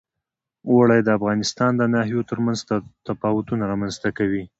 اوړي د افغانستان د ناحیو ترمنځ تفاوتونه رامنځ ته کوي.